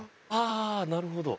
あなるほど。